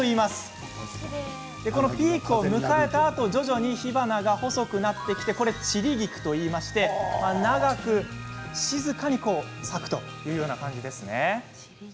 このピークを迎えたあと徐々に火花が細くなってきて散り菊といいまして長く静かに咲くというような感じですね。